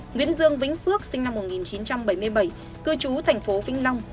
nguyễn dương vĩnh phước sinh năm một nghìn chín trăm bảy mươi bảy cư trú thành phố vĩnh long